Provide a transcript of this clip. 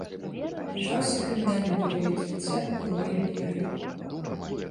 Пачаўся крымінальны перыяд жыцця былой імперыі.